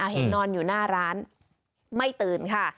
เห็นนอนอยู่หน้าร้านไม่ตื่นค่ะ